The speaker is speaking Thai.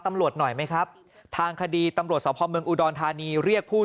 ตำรวจหน่อยไหมครับทางคดีตำรวจสพเมืองอุดรธานีเรียกผู้